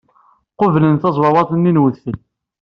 Qublent tazwawaḍt-nni n udfel.